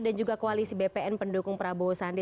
dan juga koalisi bpn pendukung prabowo sandi